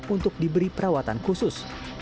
untuk diberi perawatan khusus